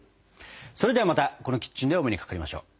それではまたこのキッチンでお目にかかりましよう。